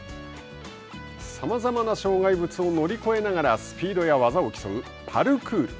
さまざまな障害物を乗り越えながらスピードや技を競うパルクール。